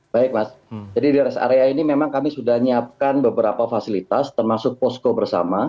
baik mas jadi di rest area ini memang kami sudah menyiapkan beberapa fasilitas termasuk posko bersama